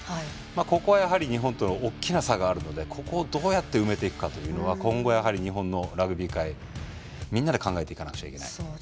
ここは、やはり日本との大きな差があるのでここをどうやって埋めていくかというのは、日本のラグビー界、みんなで考えていかなきゃいけない。